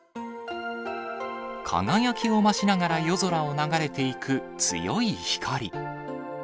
輝きを増しながら夜空を流れていく強い光。